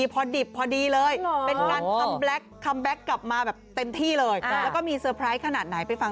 กับเป็นโปรดิวเซอร์ที่เราหลงรักมานาน